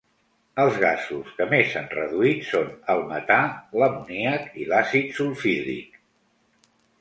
Els gasos que més s'han reduït són el metà, l'amoníac i l'àcid sulfhídric.